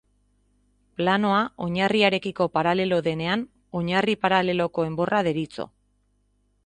Planoa oinarriarekiko paralelo denean oinarri paraleloko enborra deritzo.